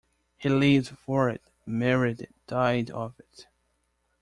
He lived for it, married it, died of it.